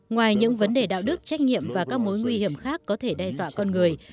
ngoài những vấn đề đạo đức trách nhiệm và các mối nguy hiểm khác có thể đe dọa con người